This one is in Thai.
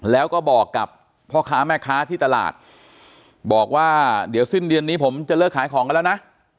แล้วก็บอกกับพ่อค้าแม่ค้าที่ตลาดบอกว่าเดี๋ยวสิ้นเดือนนี้ผมจะเลิกขายของกันแล้วนะ